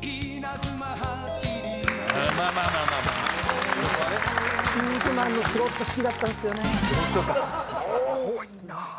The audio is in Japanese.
いいなぁ。